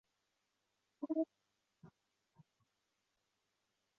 赖郭子仪处理平定乱事。